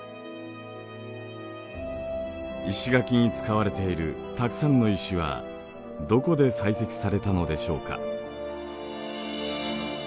石垣に使われているたくさんの石はどこで採石されたのでしょうか。